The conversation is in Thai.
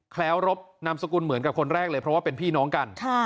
แคล้วรบนามสกุลเหมือนกับคนแรกเลยเพราะว่าเป็นพี่น้องกัน